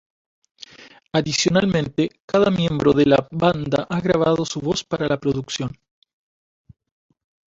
Adicionalmente, cada miembro de la banda ha grabado su voz para la producción.